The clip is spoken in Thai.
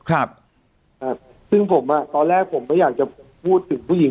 ครับอ่าซึ่งผมอ่ะตอนแรกผมก็อยากจะพูดถึงผู้หญิง